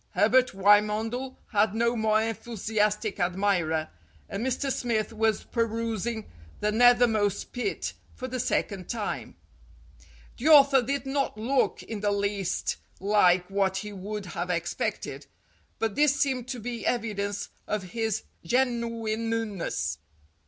Herbert Wymondel had no more enthusiastic admirer, and Mr. Smith was perusing "The Nethermost Pit" for the second time. The author did not look in the least like what he would have expected, but this seemed to be evidence of his genuineness.